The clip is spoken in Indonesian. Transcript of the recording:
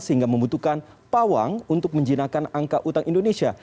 sehingga membutuhkan pawang untuk menjinakkan angka utang indonesia